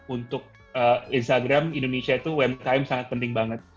untuk instagram indonesia itu umkm sangat penting banget